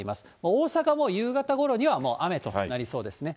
大阪も夕方ごろにはもう雨となりそうですね。